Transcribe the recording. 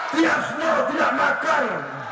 tiasno tidak makar